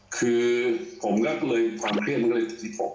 คือผมก็เลยความเครียดมันก็เลยถึงตก